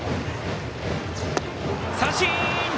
三振！